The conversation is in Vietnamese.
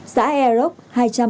xã air rock hai trăm bảy mươi chín hộ